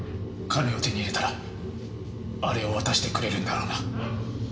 金を手に入れたらあれを渡してくれるんだろうな？